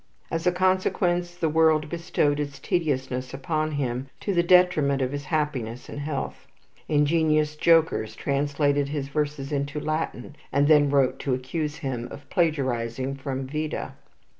As a consequence, the world bestowed its tediousness upon him, to the detriment of his happiness and health. Ingenious jokers translated his verses into Latin, and then wrote to accuse him of plagiarizing from Vida.